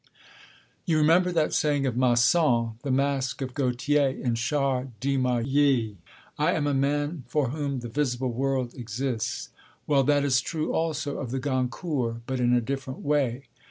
You remember that saying of Masson, the mask of Gautier, in Charles Demailly: 'I am a man for whom the visible world exists.' Well, that is true, also, of the Goncourts; but in a different way.